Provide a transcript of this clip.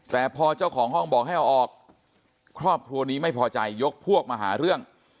แต่พอเจ้าของห้องบอกให้เอาออกครอบครัวนี้ไม่พอใจยกพวกมาหาเรื่อง